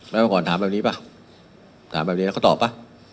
แล้วเมื่อก่อนถามแบบนี้ป่ะถามแบบนี้แล้วก็ตอบป่ะ